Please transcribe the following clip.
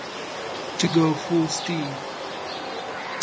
To go full steam.